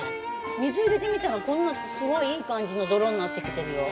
水を入れてみたらこんなすごくいい感じの泥になってきてるよ。